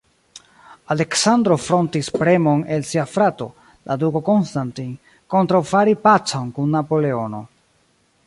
Aleksandro frontis premon el sia frato, la Duko Konstantin, kontraŭ fari pacon kun Napoleono.